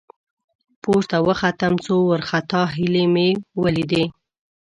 ، پورته وختم، څو وارخطا هيلۍ مې ولېدې.